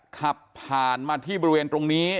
ขับผ่านมาที่บริเวณตรงนี้